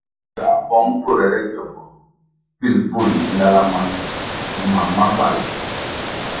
Ywā bong bvurere gyombo pil bvul nzidala ma mam ma bal.